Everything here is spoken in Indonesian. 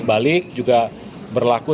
balik juga berlaku